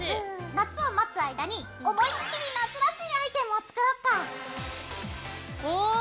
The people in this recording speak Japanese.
夏を待つ間に思いっきり夏らしいアイテムを作ろっか！おかわいい！